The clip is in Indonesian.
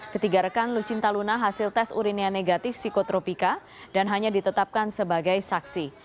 ketiga rekan lucinta luna hasil tes urinia negatif psikotropika dan hanya ditetapkan sebagai saksi